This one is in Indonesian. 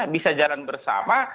bisa jalan bersama